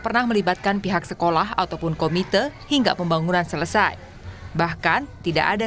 pernah melibatkan pihak sekolah ataupun komite hingga pembangunan selesai bahkan tidak ada